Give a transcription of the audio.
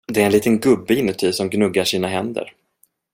Det är en liten gubbe inuti som gnuggar sina händer.